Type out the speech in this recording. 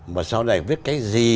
mà sau này viết cái gì